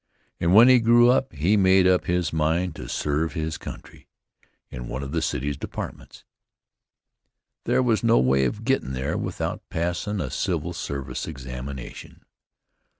And when he grew up he made up his mind to serve his country in one of the city departments. There was no way of gettin' there without passin' a civil service examination.